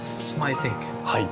はい。